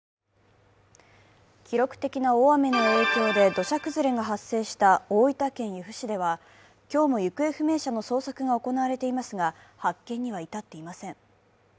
記録的な大雨の影響で土砂崩れが発生した大分県由布市では、今日も行方不明者の捜索が行われていますが、発見には至っていません。